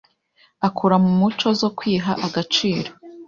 akura mu muco zo kwiha agaciro